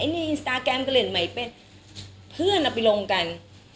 ในอินสตาแกรมก็เล่นใหม่เป็นเพื่อนเอาไปลงกัน